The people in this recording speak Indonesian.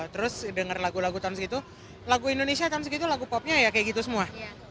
terus denger lagu lagu tahun segitu lagu indonesia tahun segitu lagu popnya ya kayak gitu semua